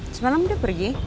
semalam dia pergi